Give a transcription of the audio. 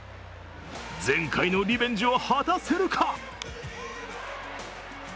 前回のリベンジを果たせるか？